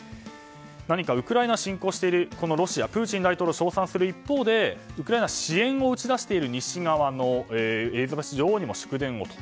何かウクライナを侵攻しているロシアのプーチン大統領を称賛する一方でウクライナ支援を打ち出している西側のエリザベス女王にも祝電をと。